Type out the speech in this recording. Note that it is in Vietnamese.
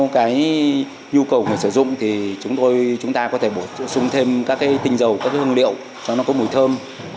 sau nhu cầu người sử dụng thì chúng ta có thể bổ sung thêm các tinh dầu các hương liệu cho nó có mùi thơm